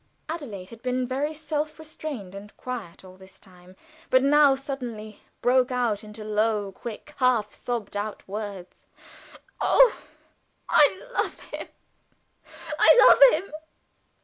Adelaide had been very self restrained and quiet all this time, but now suddenly broke out into low, quick, half sobbed out words: "Oh, I love him, I love him!